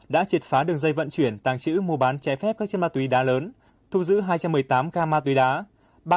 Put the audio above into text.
đã triệt phá đường dây vận chuyển tàng trữ mua bán trái phép các chân ma túy đá lớn thu giữ hai trăm một mươi tám ga ma túy đá